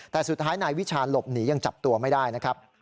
แต่สุดท้ายนายวิชาหลบหนียังจับตัวไม่ได้นะครับ